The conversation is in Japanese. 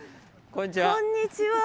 こんにちは。